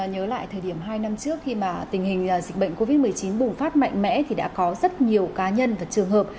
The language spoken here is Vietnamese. nhớ lại thời điểm hai năm trước khi mà tình hình dịch bệnh covid một mươi chín bùng phát mạnh mẽ thì đã có rất nhiều cá nhân và trường hợp